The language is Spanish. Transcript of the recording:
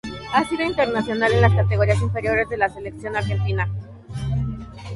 Ha sido internacional en las categorías inferiores de la selección argentina.